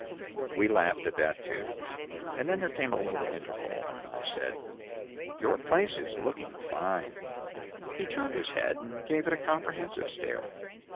We laughed at that, too, and then there came a little interval and I said, "Your place is looking fine." He turned his head and gave it a comprehensive stare.